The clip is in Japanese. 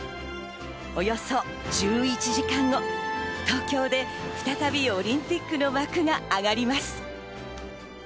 およそ１１時間後、東京で再び東京オリンピックの幕が上がります。